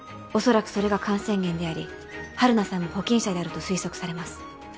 恐らくそれが感染源であり晴汝さんも保菌者であると推測されます。